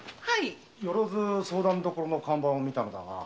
「よろづ相談処」の看板を見たのだが。